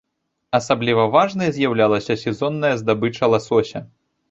Асабліва важнай з'яўлялася сезонная здабыча ласося.